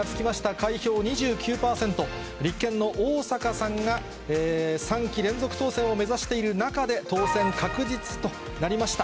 開票２９％、立憲の逢坂さんが３期連続当選を目指している中で、当選確実となりました。